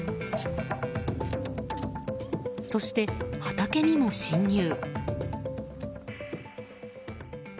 そして、畑にも侵入。